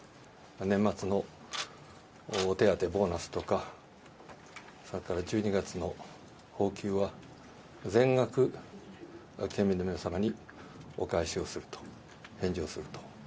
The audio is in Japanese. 年末の手当ボーナスとか、それから１２月の公給は、全額、県民の皆様にお返しをすると、返上すると。